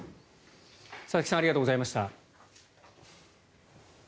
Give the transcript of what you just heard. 佐々木さんありがとうございました。